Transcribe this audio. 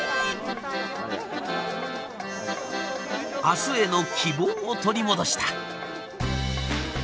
明日への希望を取り戻した。